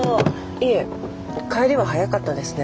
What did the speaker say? いえ帰りは早かったですね。